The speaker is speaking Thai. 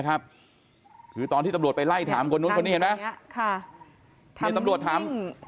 ครับคือตอนที่ตำรวจไปไล่ถามคนนู้นเห็นไหมค่ะตำรวจถาม